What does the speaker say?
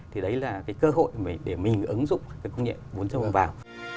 thì đấy là cái cơ hội để mình ứng dụng công nghiệp bốn vào